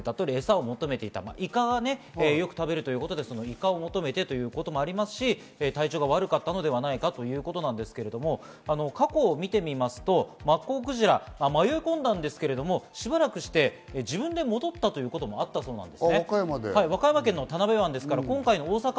今回２つにわかれていて、エサを求めていた、イカをよく食べるということでイカを求めてということもありますし、体調が悪かったのではないかということですが過去を見てみますと、マッコウクジラ、迷い込んだんですけれど、しばらくして自分で戻ったということもあったそうです。